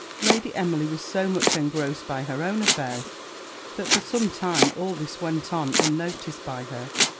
Lady Emily was so much engrossed by her own affairs that for some time all this went on unnoticed by her.